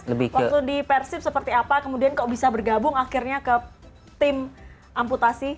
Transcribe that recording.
waktu di persib seperti apa kemudian kok bisa bergabung akhirnya ke tim amputasi